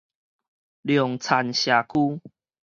龍田社區